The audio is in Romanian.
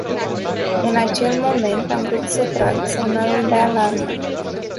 În acel moment am vrut să trag semnalul de alarmă.